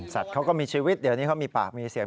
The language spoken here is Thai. สัตว์เขาก็มีชีวิตเดี๋ยวนี้เขามีปากมีเสียง